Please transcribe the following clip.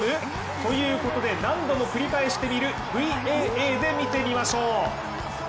ということで、何度も繰り返して見るＶＡＡで見てみましょう。